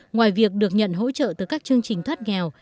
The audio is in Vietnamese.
ngoài việc được nhận hỗ trợ từ các chương trình thoát nghèo